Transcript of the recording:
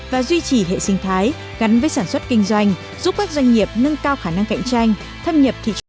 và duy trì hệ sinh thái gắn với sản xuất kinh doanh giúp các doanh nghiệp nâng cao khả năng cạnh tranh thâm nhập thị trường